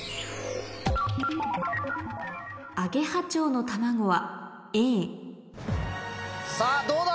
アゲハチョウの卵はさぁどうだ？